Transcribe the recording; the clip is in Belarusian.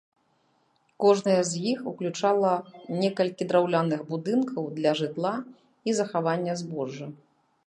Кожная з іх уключала некалькі драўляных будынкаў для жытла і захавання збожжа.